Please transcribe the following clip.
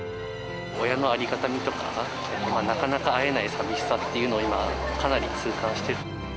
親のありがたみとか、なかなか会えない寂しさっていうのを今、かなり痛感してる。